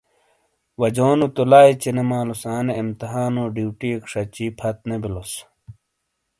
وجونو تو لائی چینیمالوس۔ آنے امتحانو ڈیوٹئیک شچی پھت نے بیلوس ۔